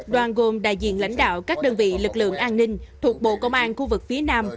đoàn gồm đại diện lãnh đạo các đơn vị lực lượng an ninh thuộc bộ công an khu vực phía nam